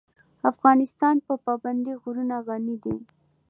افغانستان په پابندی غرونه غني دی.